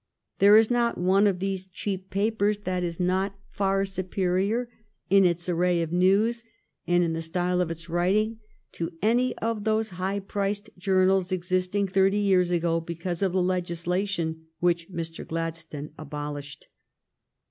There is not one of these cheap papers that is not far superior in its array of news and in the style of its writing to any of those high priced journals existing thirty years ago because of the legislation which Mr. Gladstone abolished.